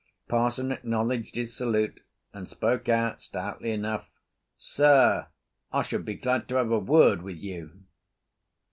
Parson acknowledged his salute and spoke out stoutly enough. "Sir, I should be glad to have a word with you."